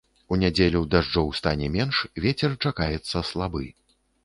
У нядзелю дажджоў стане менш, вецер чакаецца слабы.